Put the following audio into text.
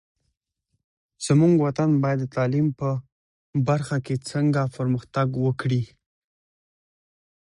لیکوال د ځوانانو له غبرګونونو خبر دی.